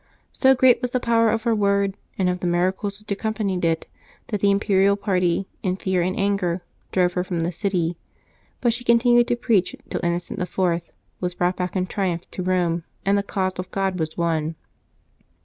So great was the power of her word, and of the miracles which accompanied it, that the Imperial party, in fear and anger, drove her from the city, but she continued to preach till Innocent IV. was brought back in triumph to Eome and the cause of God was won.